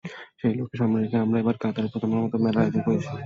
সেই লক্ষ্য সামনে রেখেই আমরা এবার কাতারে প্রথমবারের মতো মেলার আয়োজন করেছি।